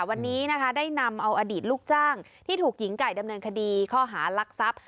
วันนี้นะคะได้นำเอาอดีตลูกจ้างที่ถูกหญิงไก่ดำเนินคดีข้อหารักทรัพย์